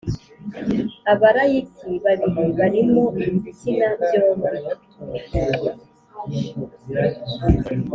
Abalayiki babiri barimo ibitsina byombi